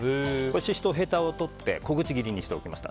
シシトウはへたを取って小口切りにしておきました。